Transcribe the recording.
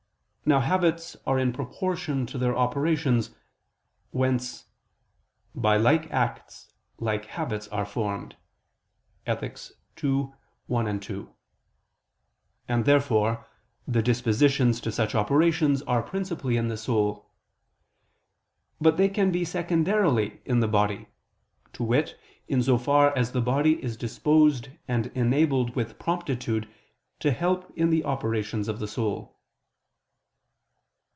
Now habits are in proportion to their operations: whence "by like acts like habits are formed" (Ethic. ii, 1, 2). And therefore the dispositions to such operations are principally in the soul. But they can be secondarily in the body: to wit, in so far as the body is disposed and enabled with promptitude to help in the operations of the soul.